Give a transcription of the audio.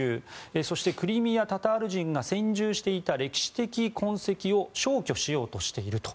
そしてクリミア・タタール人が先住していた歴史的痕跡を消去しようとしていると。